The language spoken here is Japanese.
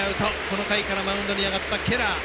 この回からマウンドに上がったケラー。